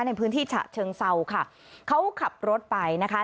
ในพื้นที่ฉะเชิงเศร้าค่ะเขาขับรถไปนะคะ